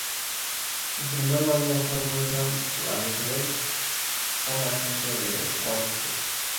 Su primer marido fue William C. Langley, un agente de Wall Street.